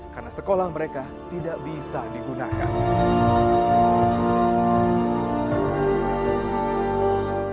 karena sekolah mereka tidak bisa digunakan